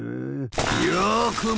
よくも！